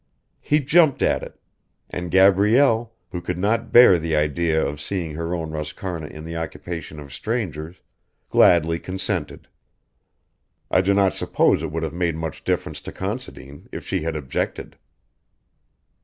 He jumped at it, and Gabrielle, who could not bear the idea of seeing her own Roscarna in the occupation of strangers, gladly consented. I do not suppose it would have made much difference to Considine if she had objected.